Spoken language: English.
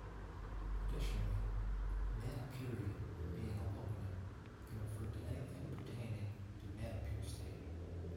Additionally, "Manipuri," being a loconym, can refer to anything pertaining to Manipur state.